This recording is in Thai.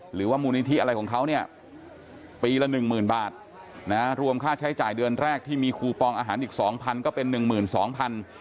หรือว่ามูลนิทธิอะไรของเค้านี่เนี้ยปีละ๑หมื่นบาทรวมค่าใช้จ่ายเดือนแรกที่มีคูปองอาหารอีก๒๐๐๐ก็เป็น๑หมื่น๒๐๐๐